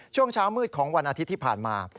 ช่วงเช้ามืดของวันอาทิตย์ที่ผ่านมา